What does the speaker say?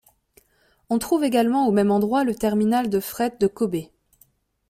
On trouve également au même endroit, le terminal de Fret de Kôbe.